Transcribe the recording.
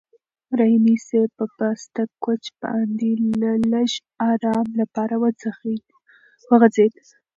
رحیمي صیب په پاسته کوچ باندې د لږ ارام لپاره وغځېد.